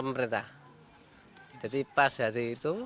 pembelian menurun dan pengguna penjualan minyak goreng curah menurun